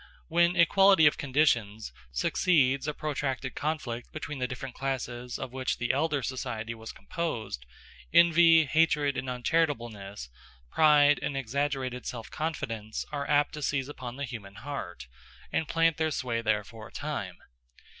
When equality of conditions succeeds a protracted conflict between the different classes of which the elder society was composed, envy, hatred, and uncharitableness, pride, and exaggerated self confidence are apt to seize upon the human heart, and plant their sway there for a time.